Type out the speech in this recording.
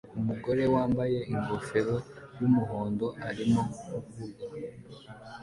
Umugore wambaye ingofero yumuhondo arimo kuvuga